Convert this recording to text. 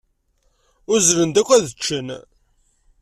Uzzlen-d akk ad ččen.